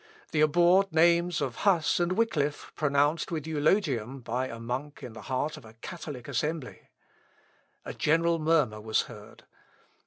The abhorred names of Huss and Wickliffe pronounced with eulogium by a monk in the heart of a Catholic assembly!... A general murmur was heard.